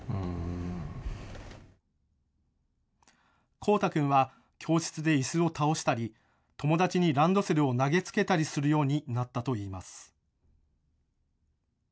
コウタ君は教室でいすを倒したり友達にランドセルを投げつけたりするようになったといいます。